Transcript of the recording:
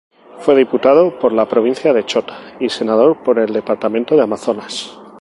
Fue diputado por la provincia de Chota y senador por el departamento de Amazonas.